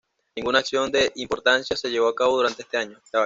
Ninguna acción de importancia se llevó a cabo durante este año.